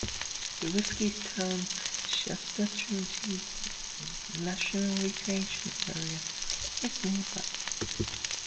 The Whiskeytown-Shasta-Trinity National Recreation Area is nearby.